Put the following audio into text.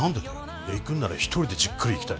いや行くんなら一人でじっくり行きたい。